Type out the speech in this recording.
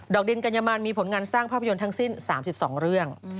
ดินกัญญมันมีผลงานสร้างภาพยนตร์ทั้งสิ้น๓๒เรื่อง